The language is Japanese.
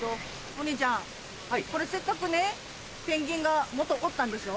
お兄ちゃんこれせっかくねペンギンが元おったんでしょ？